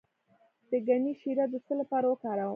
د ګني شیره د څه لپاره وکاروم؟